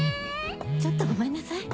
ちょっとごめんなさい。